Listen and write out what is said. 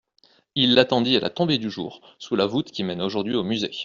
Il l'attendit à la tombée du jour sous la voûte qui mène aujourd'hui au Musée.